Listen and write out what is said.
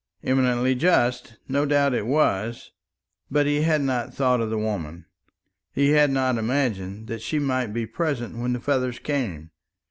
Eminently just, no doubt, it was, but he had not thought of the woman. He had not imagined that she might be present when the feathers came.